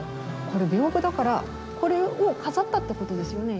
これ風だからこれを飾ったってことですよね